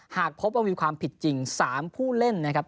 หากพบว่ามีความผิดจริง๓ผู้เล่นนะครับ